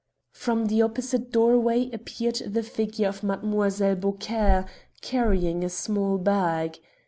From the opposite doorway appeared the figure of Mlle. Beaucaire, carrying a small bag.